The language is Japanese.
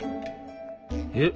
えっ？